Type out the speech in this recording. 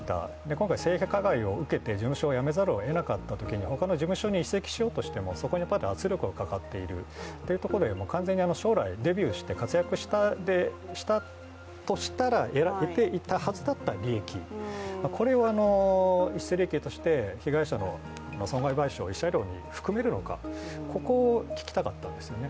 今回、性加害を受けて事務所をやめざるをえなかったときに、他の事務所に移籍しようとしてもそこに圧力がかかっているというところで完全に将来デビューして活躍していたとしたら、得ていたはずの利益、これを逸失利益として被害者の損害賠償、慰謝料に含めるのか、ここを聞きたかったんですよね。